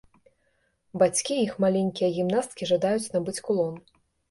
Бацькі і іх маленькія гімнасткі жадаюць набыць кулон.